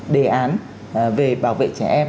đề án về bảo vệ trẻ em